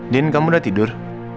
din kamu udah tidur